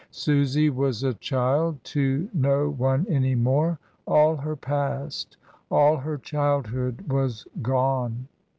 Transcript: Susy was a child to no one any more — all her past, all her childhood, was gone.